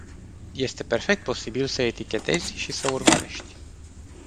Este perfect posibil să etichetezi și să urmărești.